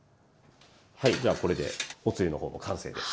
はいじゃあこれでおつゆの方も完成です。